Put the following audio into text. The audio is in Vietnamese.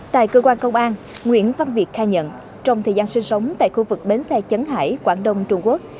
tại cơ quan công an nguyễn văn việt khai nhận trong thời gian sinh sống tại khu vực bến xe trấn hải quảng đông trung quốc